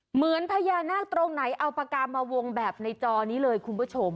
เหมือนพญานาคตรงไหนเอาปากกามาวงแบบในจอนี้เลยคุณผู้ชม